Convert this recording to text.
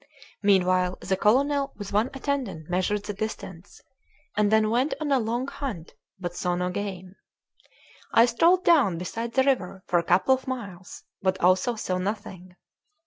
Meanwhile the colonel with one attendant measured the distance, and then went on a long hunt, but saw no game. I strolled down beside the river for a couple of miles, but also saw nothing.